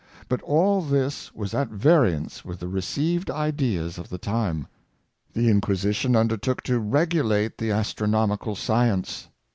But all this was at variance with the received ideas of the time. The Inquisition undertook to regulate the astronomical science.